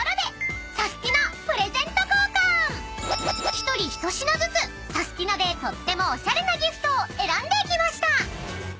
［１人一品ずつサスティなでとってもおしゃれなギフトを選んできました］